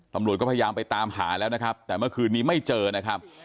ตำรวจก็พยายามไปตามหาแล้วนะครับแต่เมื่อคืนนี้ไม่เจอนะครับ